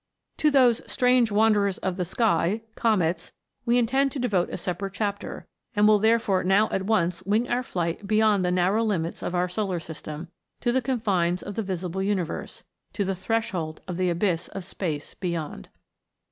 To those " strange wanderers of the sky," comets, we intend to devote a separate chapter, and will therefore now at once wing our flight beyond the narrow limits of our solar system, to the confines of the visible universe to the threshold of the abyss of space beyond.